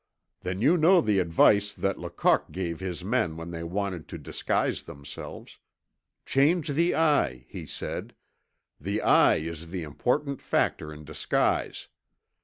"Then you know the advice that Lecoq gave his men when they wanted to disguise themselves. 'Change the eye,' he said. 'The eye is the important factor in disguise.'